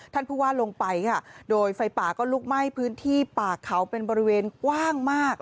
ท่านผู้ว่าลงไปค่ะโดยไฟป่าก็ลุกไหม้พื้นที่ป่าเขาเป็นบริเวณกว้างมาก